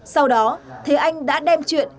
sau đó thế anh đã đem chuyện